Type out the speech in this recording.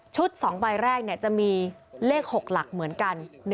๒ใบแรกจะมีเลข๖หลักเหมือนกัน